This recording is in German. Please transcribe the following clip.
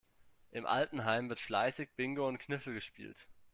Im Altenheim wird fleißig Bingo und Kniffel gespielt.